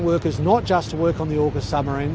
bukan hanya untuk bekerja di submarine